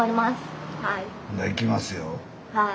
はい。